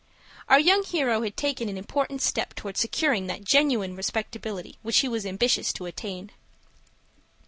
Our young hero had taken an important step toward securing that genuine respectability which he was ambitious to attain.